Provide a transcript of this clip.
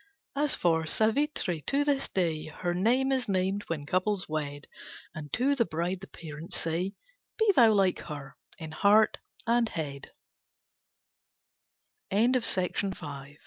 As for Savitri, to this day Her name is named, when couples wed, And to the bride the parents say, Be thou like her, in heart and head. _Butea frondosa.